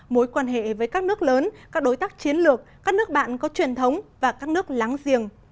mối quan hệ với các nước lớn các đối tác chiến lược các nước bạn có truyền thống và các nước láng giềng